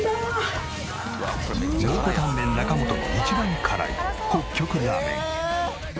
蒙古タンメン中本の一番辛い北極ラーメン。